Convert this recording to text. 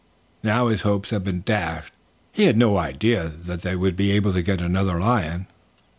Now his hopes had been dashed. He had no idea that they would be able to get another lion.